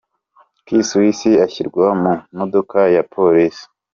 K-Swiss ashyirwa mu modoka ya Polisi.